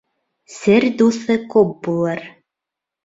Сер дуҫы күп булыр